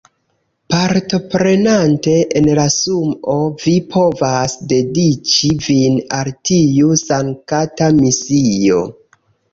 Partoprenante en la Sumoo, vi povas dediĉi vin al tiu sankta misio.